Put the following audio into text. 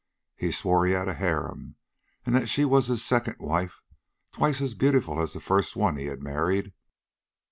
He swore he had a harem, and that she was his second wife twice as beautiful as the first one he had married.